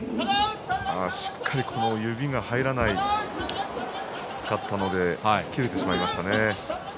しっかり指が入らなかったので切れてしまいましたね。